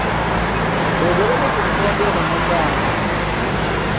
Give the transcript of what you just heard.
Twogereko ku nsonga eno munnange.